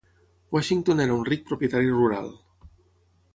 Washington era un ric propietari rural.